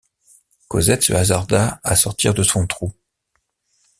Cosette se hasarda à sortir de son trou.